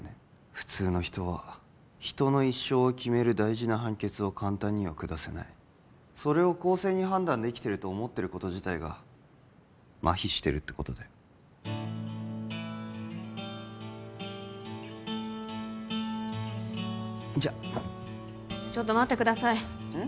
普通の人は人の一生を決める大事な判決を簡単には下せないそれを公正に判断できてると思ってること自体が麻痺してるってことだよじゃちょっと待ってくださいうん？